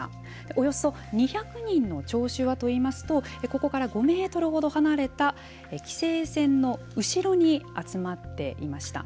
およそ２００人の聴衆はといいますとここから５メートル程離れた規制線の後ろに集まっていました。